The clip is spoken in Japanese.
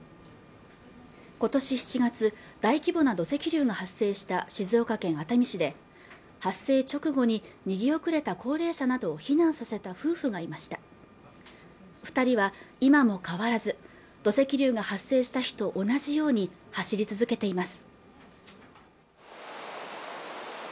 ことし７月大規模な土石流の発生した静岡県熱海市で発生直後に逃げ遅れた高齢者など避難させた夫婦がいました二人は今もかわらず土石流が発生した日と同じように走り続けています